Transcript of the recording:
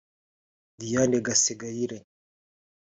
Diane Gasengayire